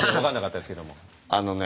あのね